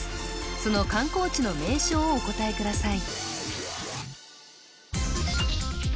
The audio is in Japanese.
その観光地の名称をお答えください